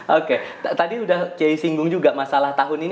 oke tadi sudah kiai singgung juga masalah tahun ini